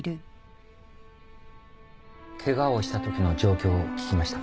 ケガをしたときの状況を聞きました。